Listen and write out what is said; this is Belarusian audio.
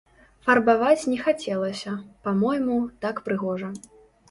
Фарбаваць не хацелася, па-мойму, так прыгожа.